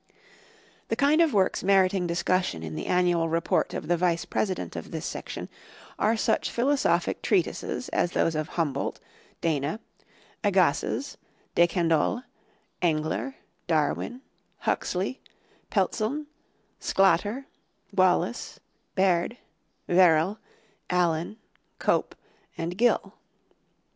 The kind of works meriting discussion in the annual report of the Vice president of this section are such philosophic treatises as those of Humboldt, Dana, Agassiz, DeCandolle, Engler, Dar win, Huxley, Pelzeln, Sclater, Wallace, Baird, Verrill, Allen, Cope, and Gill.